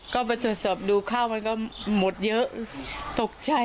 ก็ไปตรวจสอบดูข้าวมันก็หมดเยอะตกใจ